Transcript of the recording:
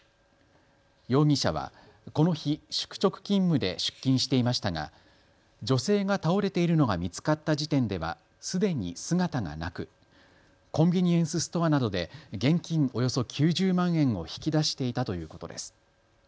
容疑者はこの日、宿直勤務で出勤していましたが女性が倒れているのが見つかった時点ではすでに姿がなくコンビニエンスストアなどで現金およそ９０万円を引き出していたということです。